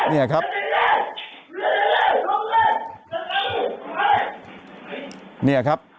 เนี่ยครับ